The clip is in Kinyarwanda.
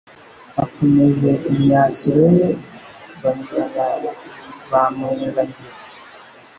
Akomeje imyasiro ye Banyurana ba Munyura-ngeri,